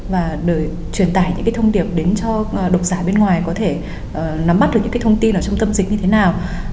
và để truyền tải những cái thông điệp đến cho độc giả bên ngoài có thể nắm bắt được những cái thông tin ở trung tâm dịch như thế nào